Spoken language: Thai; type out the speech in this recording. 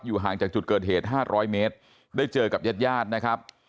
ห่างจากจุดเกิดเหตุ๕๐๐เมตรได้เจอกับญาติญาตินะครับ